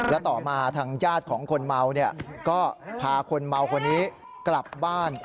และต่อมาทางญาติของคนเมาก็พาคนเมาคนนี้กลับบ้าน